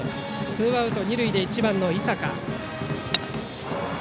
ツーアウト二塁で１番の井坂。